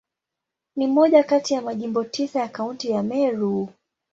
Ni moja kati ya Majimbo tisa ya Kaunti ya Meru.